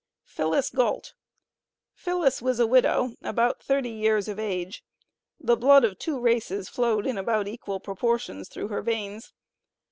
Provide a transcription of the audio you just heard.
PHILLIS GAULT. Phillis was a widow, about thirty years of age; the blood of two races flowed in about equal proportions through her veins.